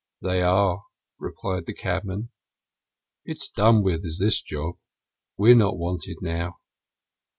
"They are," replied the cabman. "It's done with is this job. We're not wanted now."